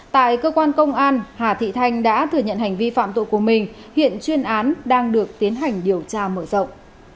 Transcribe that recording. tại cơ quan công an hà thị thanh đã thừa nhận hành vi phạm tội của mình hiện chuyên án đang được tiến hành điều tra mở rộng